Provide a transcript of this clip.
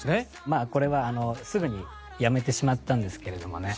まあこれはあのすぐに辞めてしまったんですけれどもね。